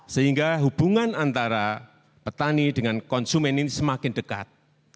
sehingga hubungan antara petani dengan konsumen ini semakin dekat